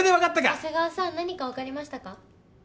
長谷川さん何か分かりましたか？